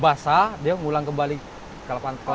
basah dia mulai kembali ke laut